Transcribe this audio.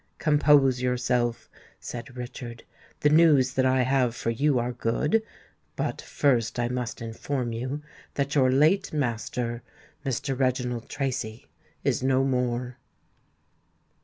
"Compose yourself," said Richard; "the news that I have for you are good. But first I must inform you that your late master, Mr. Reginald Tracy, is no more."